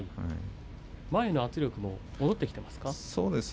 前への圧力も戻ってきていますか。